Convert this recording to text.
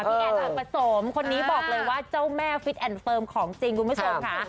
แอนประสมคนนี้บอกเลยว่าเจ้าแม่ฟิตแอนดเฟิร์มของจริงคุณผู้ชมค่ะ